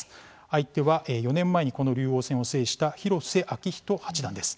相手は４年前にこの竜王戦を制した広瀬章人八段です。